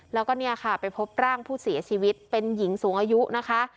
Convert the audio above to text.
แล้วก็เนี่ยค่ะไปพบร่างผู้เสียชีวิตเป็นหญิงสูงอายุนะคะ